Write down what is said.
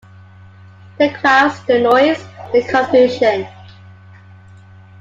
The crowds, the noise, the confusion.